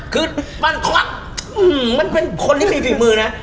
คือมันคลอดมันเป็นคนที่มีฝีมือนะ